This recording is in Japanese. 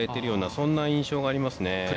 そんな印象がありますね。